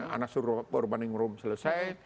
anas urbaning room selesai